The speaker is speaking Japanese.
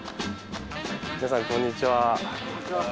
皆さんこんにちは。